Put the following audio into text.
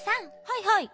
はいはい。